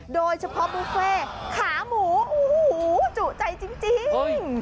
โดยเฉพาะบุฟเฟ่ขาหมูโอ้โหจุใจจริง